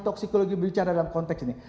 toksikologi berbicara dalam konteks ini